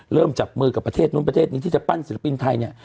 จับมือกับประเทศนู้นประเทศนี้ที่จะปั้นศิลปินไทยเนี่ย